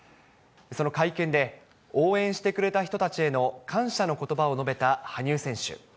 その会見で、応援してくれた人たちへの感謝のことばを述べた羽生選手。